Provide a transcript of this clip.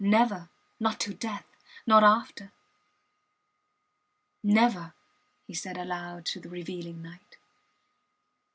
Never! Not till death not after ... Never! he said aloud to the revealing night.